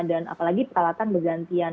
dan apalagi peralatan bergantian